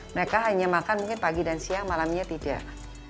mereka hanya makan pagi dan siang malamnya tidak